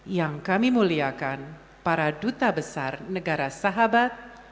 yang kami muliakan para duta besar negara sahabat